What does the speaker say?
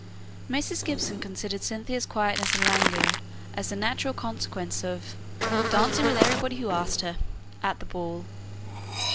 Mrs. Gibson considered Cynthia's quietness and languor as the natural consequence of "dancing with everybody who asked her" at the ball.